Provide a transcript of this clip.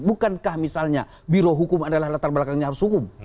bukankah misalnya biro hukum adalah latar belakangnya harus hukum